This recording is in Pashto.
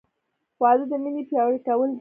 • واده د مینې پیاوړی کول دي.